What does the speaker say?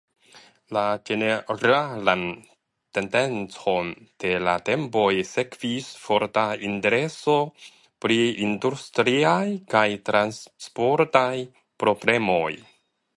La ĝeneralan tendencon de la tempoj sekvis forta intereso pri industriaj kaj transportaj problemoj.